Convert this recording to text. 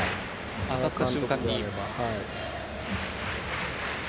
当たった瞬間にと。